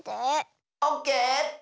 オッケー！